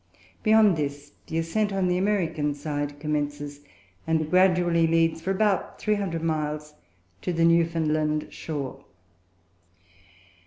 Beyond this, the ascent on the American side commences, and gradually leads, for about 300 miles, to the Newfoundland shore.